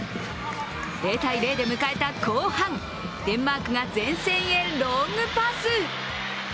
０−０で迎えた後半デンマークが前線へロングパス。